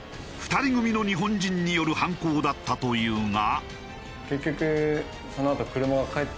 ２人組の日本人による犯行だったというが。